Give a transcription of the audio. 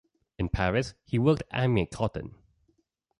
In Paris, he worked Aime Cotton.